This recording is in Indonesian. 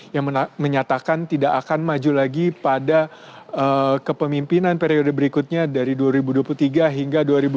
yang menyatakan tidak akan masing masing